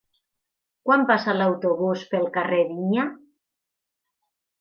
Quan passa l'autobús pel carrer Vinya?